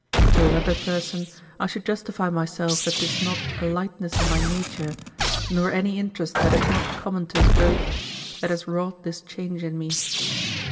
To another person, I should justify myself that 'tis not a lightness in my nature, nor any interest that is not common to us both, that has wrought this change in me.